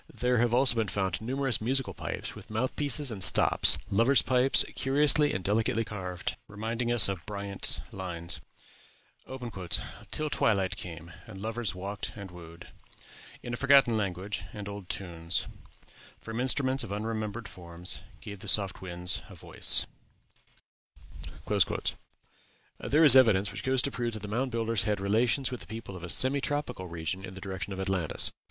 There have also been found numerous musical pipes, with mouth pieces and stops; lovers' pipes, curiously and delicately carved, reminding us of Bryant's lines "Till twilight came, and lovers walked and wooed In a forgotten language; and old tunes, From instruments of unremembered forms, Gave the soft winds a voice." There is evidence which goes to prove that the Mound Builders had relations with the people of a semi tropical region in the direction of Atlantis.